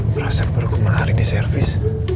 berasa berukuman hari ini servis